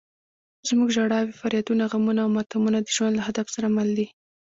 زموږ ژړاوې، فریادونه، غمونه او ماتمونه د ژوند له هدف سره مل دي.